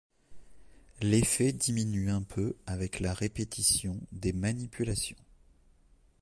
L'effet diminue un peu avec la répétition des manipulations.